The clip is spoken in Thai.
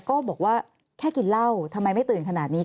ก็บอกว่าแค่กินเหล้าทำไมไม่ตื่นขนาดนี้